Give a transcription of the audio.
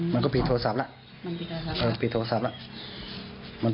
มันก็พิดโทรศัพท์แล้ว